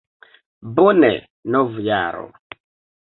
Bone, novjaro!